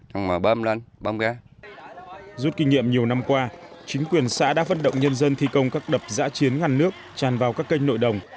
rút kinh nghiệm nhiều năm qua chính quyền xã đã vận động nhân dân thi công các đập giã chiến ngăn nước tràn vào các kênh nội đồng